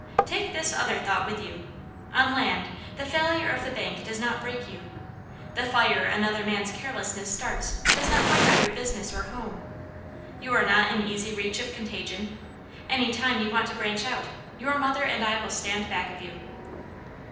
"Take this other thought with you: on land, the failure of the bank does not break you. The fire another man's carelessness starts, does not wipe out your business or home. You are not in easy reach of contagion. Any time you want to branch out, your mother and I will stand back of you."